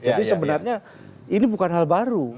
jadi sebenarnya ini bukan hal baru